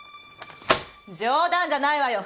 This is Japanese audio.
冗談じゃないわよ！